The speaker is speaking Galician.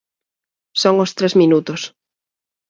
Son os tres minutos.